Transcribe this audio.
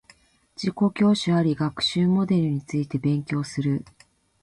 自己教師あり学習モデルについて勉強する